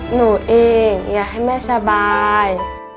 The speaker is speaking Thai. หนูเองอยากให้แม่สบาย